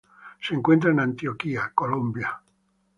Se encuentra en Antioquia en Colombia.